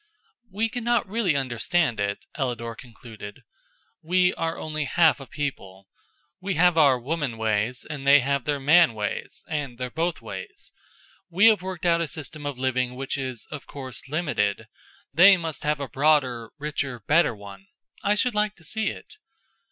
"We cannot really understand it," Ellador concluded. "We are only half a people. We have our woman ways and they have their man ways and their both ways. We have worked out a system of living which is, of course, limited. They must have a broader, richer, better one. I should like to see it."